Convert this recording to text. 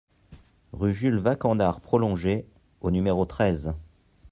Rue Jules Vacandard Prolongée au numéro treize